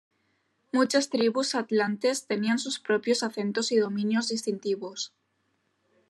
Muchas tribus atlantes tenían sus propios acentos y dominios distintivos.